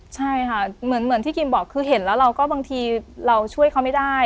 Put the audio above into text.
ใช่ค่ะเหมือนที่กิมบอกคือเห็นแล้วเราก็บางทีเราช่วยเขาไม่ได้